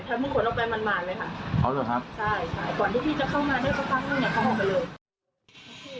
ก่อนที่พี่จะเข้ามาได้สักครั้งเขาออกไปเลย